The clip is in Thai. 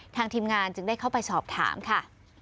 ทีมงานจึงได้เข้าไปสอบถามค่ะ